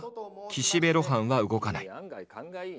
「岸辺露伴は動かない」。